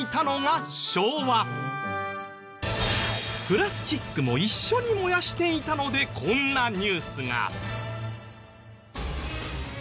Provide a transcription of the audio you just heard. プラスチックも一緒に燃やしていたのでこんなニュースが。